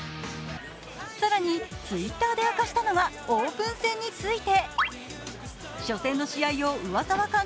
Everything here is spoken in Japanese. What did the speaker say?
更に、Ｔｗｉｔｔｅｒで明かしたのがオープン戦について。